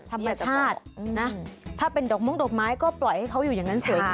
ทำลายชะพาดถ้าเป็นดอกมงดกไม้ก็ปล่อยให้อยู่อย่างนั้นสวยงาม